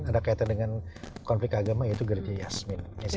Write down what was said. ada kaitan dengan konflik agama yaitu gerikil yasmin